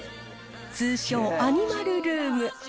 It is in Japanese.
通称アニマルルーム。